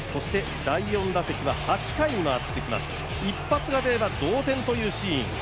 第４打席は８回に回ってきます、一発がでれば同点というシーン。